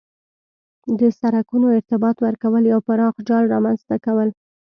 د سرکونو ارتباط ورکول یو پراخ جال رامنځ ته کوي